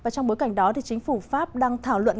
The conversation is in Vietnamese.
trong bối cảnh đó chính phủ pháp đang thảo luận